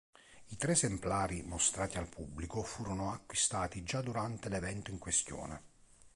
I tre esemplari mostrati al pubblico furono acquistati già durante l'evento in questione.